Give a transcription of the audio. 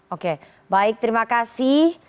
oke baik terima kasih